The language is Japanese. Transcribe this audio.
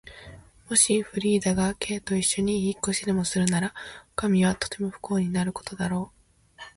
もしフリーダが Ｋ といっしょに引っ越しでもするなら、おかみはとても不幸になることだろう。